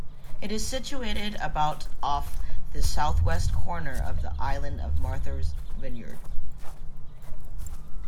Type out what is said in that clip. It is situated about off the southwest corner of the island of Martha's Vineyard.